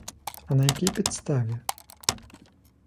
А на якій підставі?